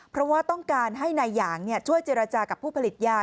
เพราะว่าต้องการให้นายหยางช่วยเจรจากับผู้ผลิตยา